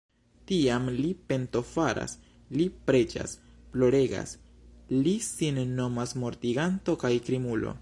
Tiam li pentofaras, li preĝas, ploregas, li sin nomas mortiganto kaj krimulo.